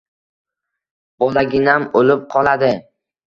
Bolaginam o‘lib qoladi!